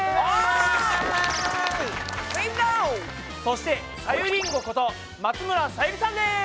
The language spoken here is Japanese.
そしてさゆりんごこと松村沙友理さんです！